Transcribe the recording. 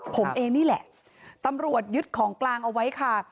ผมเองนี่แหละตำรวจยึดของกลางเอาไว้ค่ะ